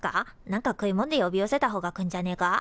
なんか食いもんで呼び寄せたほうが来んじゃねえか？